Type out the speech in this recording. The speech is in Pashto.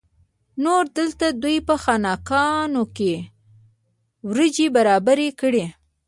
نور دلته دوی په خانکونو کې وریجې برابرې کړې.